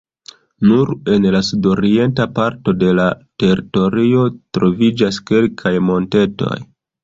Nur en la sudorienta parto de la teritorio troviĝas kelkaj montetoj.